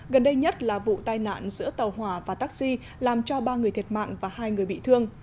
gần đây nhất là vụ tai nạn giữa tàu hỏa và taxi làm cho ba người thiệt mạng và hai người bị thương